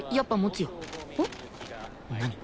何？